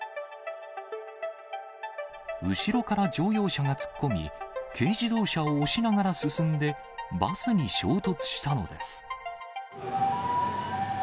後ろから乗用車が突っ込み、軽自動車を押しながら進んでバスに衝突したのです。